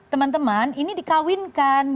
teman teman ini dikawinkan